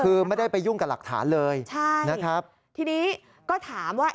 คือไม่ได้ไปยุ่งกับหลักฐานเลยใช่นะครับทีนี้ก็ถามว่า